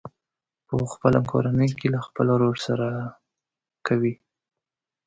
په خپله کورنۍ کې له خپل ورور سره کوي.